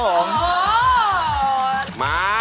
โอ้โฮโอเคมา